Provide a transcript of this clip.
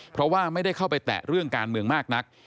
เพราะว่าไม่ได้เข้าไปแตะเรื่องการเมืองมากนัก